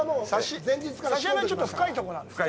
刺し網はちょっと深いところなんですよね。